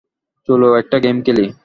চলো একটা গেম খেলি।